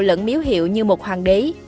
lẫn miếu hiệu như một hoàng đế